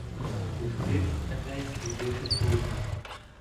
Пустивсь Еней слідити Турна